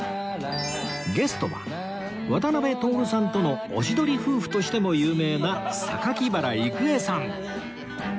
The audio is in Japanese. ゲストは渡辺徹さんとのおしどり夫婦としても有名な榊原郁恵さん